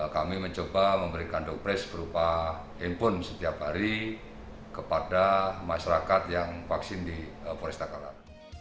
kami mencoba memberikan dopres berupa handphone setiap hari kepada masyarakat yang vaksin di foresta kalak